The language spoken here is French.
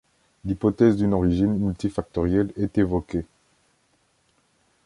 L'hypothèse d'une origine multifactorielle est évoquée.